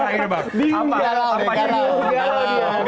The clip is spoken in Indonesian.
enggak lah bang apa sekarang jadinya